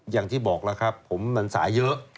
อย่างที่บอกแล้วครับผมมันสายเยอะ